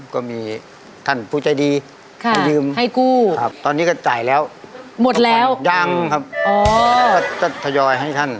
ก็มีท่านผู้ใจดีไปยืมครับตอนนี้ก็จ่ายแล้วต้องฝั่งดังครับให้กู้ครับตอนนี้ก็จ่ายแล้วหมดแล้ว